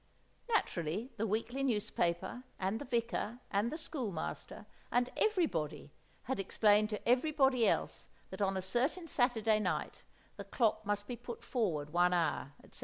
Naturally the weekly newspaper and the vicar and the schoolmaster, and everybody, had explained to everybody else that on a certain Saturday night the clock must be put forward one hour, etc.